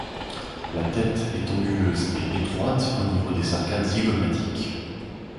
La tête est anguleuse et étroite au niveau des arcades zygomatiques.